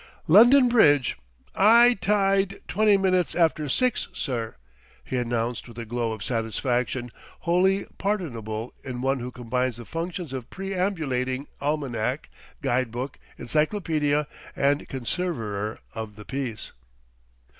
"London Bridge, 'igh tide twenty minutes arfter six, sir," he announced with a glow of satisfaction wholly pardonable in one who combines the functions of perambulating almanac, guide book, encyclopedia, and conserver of the peace.